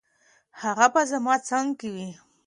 هغه به زما څنګ کې وي.